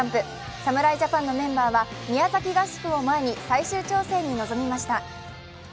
侍ジャパンのメンバーは宮崎合宿を前に最終調整に入りました。